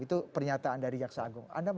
itu pernyataan dari jaksa agung